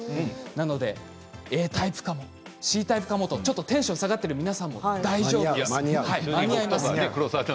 なので、ＡタイプかもＣタイプかもとテンションが下がっている皆さん大丈夫です。